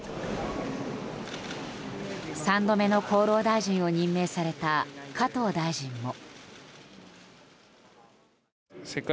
３度目の厚労大臣を任命された加藤大臣も。